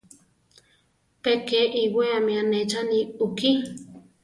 Pe ke iwéami anéchani ukí.